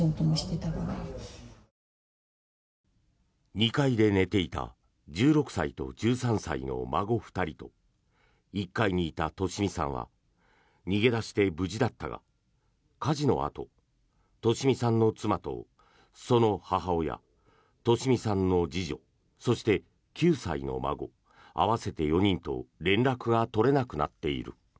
２階で寝ていた１６歳と１３歳の孫２人と１階にいた利美さんは逃げ出して無事だったが火事のあと利美さんの妻とその母親利美さんの次女そして９歳の孫合わせて４人と連絡が取れなくなっている。